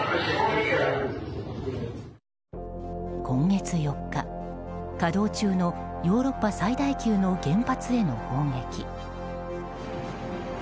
今月４日、稼働中のヨーロッパ最大級の原発への砲撃。